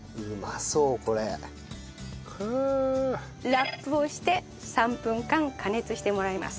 ラップをして３分間加熱してもらいます。